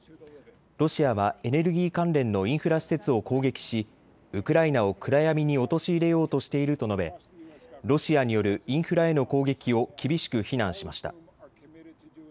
ロシアはエネルギー関連のインフラ施設を攻撃しウクライナを暗闇に陥れようとしていると述べロシアによるインフラへの攻撃を厳しく非難しました。